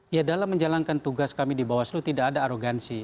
ya dalam menjalankan tugas kami di bawaslu tidak ada arogansi